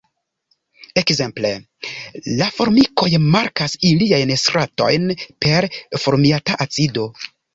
Ekzemple la formikoj markas iliajn „stratojn“ per formiata acido.